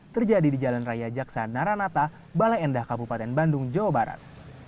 terjadi di jalan raya jaksa naranata bale endah kabupaten bandung jawa barat